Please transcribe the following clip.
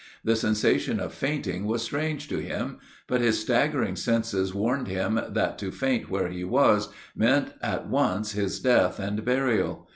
The sensation of fainting was strange to him, but his staggering senses warned him that to faint where he was meant at once his death and burial.